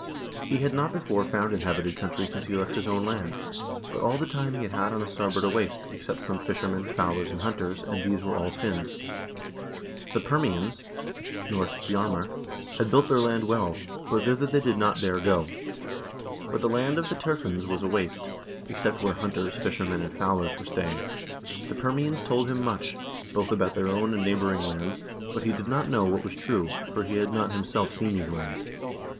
He had not before found inhabited country since he left his own land. But all the time he had had on the starboard a waste, except some fishermen, fowlers, and hunters, and these were all Finns. The Permians (N. Bjarmer) had built their land well, but thither they did not dare to go. But the land of the Terfinns was a waste, except where hunters, fisher men, and fowlers were staying. The Permians told him much, both about their own and neighboring lands, but he did not know what was true, for he had not himself seen these lands.